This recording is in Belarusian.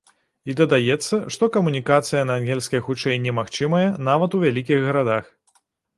І дадаецца, што камунікацыя на ангельскай хутчэй немагчымая, нават у вялікіх гарадах.